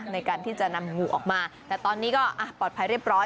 ในการที่จะนำงูออกมาแต่ตอนนี้ก็ปลอดภัยเรียบร้อย